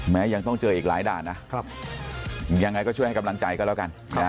ยังต้องเจออีกหลายด่านนะยังไงก็ช่วยให้กำลังใจก็แล้วกัน